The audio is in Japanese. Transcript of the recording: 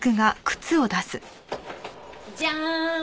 ジャーン！